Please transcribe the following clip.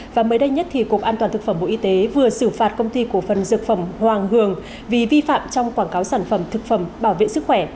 và mới đây nhất thì cục an toàn thực phẩm bộ y tế vừa xử phạt công ty cổ phần dược phẩm hoàng hường vì vi phạm trong quảng cáo sản phẩm thực phẩm bảo vệ sức khỏe